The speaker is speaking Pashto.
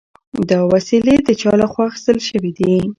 دا وسلې د چا له خوا اخیستل شوي دي؟